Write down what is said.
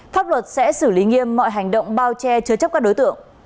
pháp luật sẽ xử lý nghiêm mọi hành động bao che chứa chấp các đối tượng